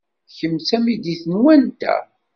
Kemm d tamidit n wanta?